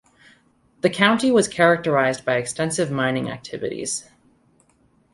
The county was characterised by extensive mining activities.